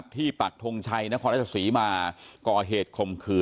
ที่ปักธงชัยนครรัฐศรีมาก่อเหตุคลมขือ